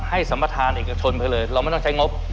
สัมประธานเอกชนไปเลยเราไม่ต้องใช้งบ